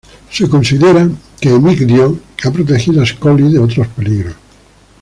Se considera que Emigdio ha protegido Ascoli de otros peligros.